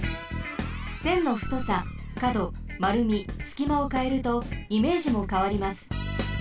せんのふとさかどまるみすきまをかえるとイメージもかわります。